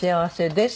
「です」。